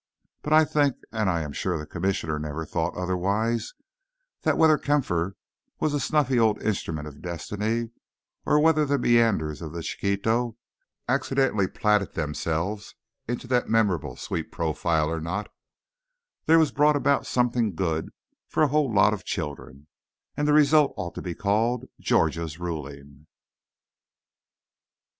But I think, and I am sure the Commissioner never thought otherwise, that whether Kampfer was a snuffy old instrument of destiny, or whether the meanders of the Chiquito accidentally platted themselves into that memorable sweet profile or not, there was brought about "something good for a whole lot of children," and the result ought to be called "Georgia's Ruling."